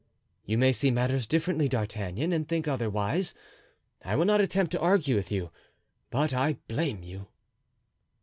You may see matters differently, D'Artagnan, and think otherwise. I will not attempt to argue with you, but I blame you."